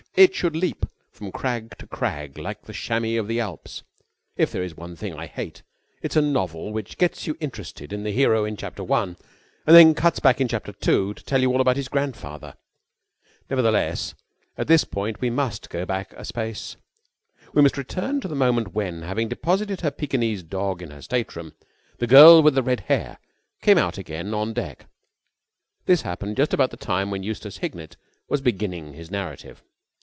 It should leap from crag to crag like the chamois of the Alps. If there is one thing I hate, it is a novel which gets you interested in the hero in chapter one and then cuts back in chapter two to tell you all about his grandfather. Nevertheless, at this point we must go back a space. We must return to the moment when, having deposited her Pekinese dog in her state room, the girl with the red hair came out again on deck. This happened just about the time when Eustace Hignett was beginning his narrative.